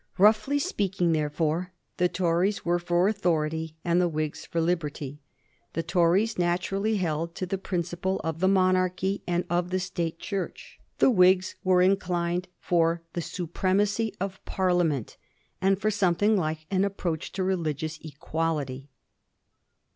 Roughly speak ing, therefore, the Tories were for authority, and the Whigs for liberty. The Tories naturally held to the principle of the monarchy and of the State Church ; the Whigs were inclined for the supremacy of Parlia ment, and for something like an approach to religious equality.